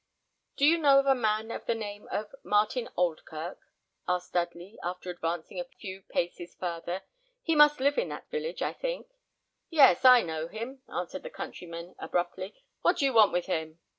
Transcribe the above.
"Do you know a man of the name of Martin Oldkirk?" asked Dudley, after advancing a few paces farther. "He must live in that village, I think." "Yes, I know him, sir," answered the countryman, abruptly. "What do you want with him?"